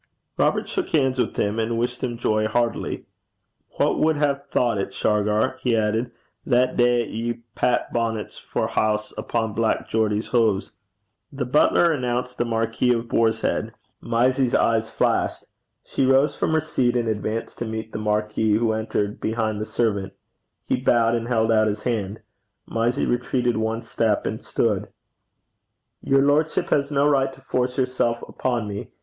Robert shook hands with him, and wished him joy heartily. 'Wha wad hae thocht it, Shargar,' he added, 'that day 'at ye pat bonnets for hose upo' Black Geordie's huves?' The butler announced the Marquis of Boarshead. Mysie's eyes flashed. She rose from her seat, and advanced to meet the marquis, who entered behind the servant. He bowed and held out his hand. Mysie retreated one step, and stood. 'Your lordship has no right to force yourself upon me.